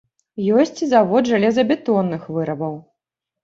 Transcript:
Ёсць і завод жалезабетонных вырабаў.